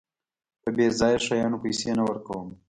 په بېځايه شيانو پيسې نه ورکوم.